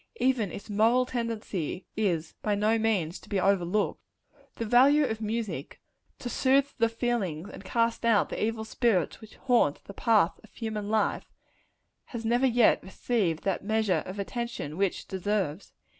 Even its moral tendency is by no means to be overlooked. The value of music, to soothe the feelings and cast out the evil spirits which haunt the path of human life, has never yet received that measure of attention which it deserves.